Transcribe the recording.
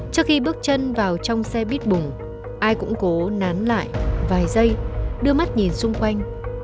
trước khi bước chân vào trong xe bít bùng ai cũng cố nán lại vài giây đưa mắt nhìn xung quanh